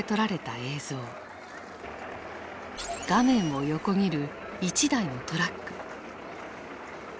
画面を横切る一台のトラック。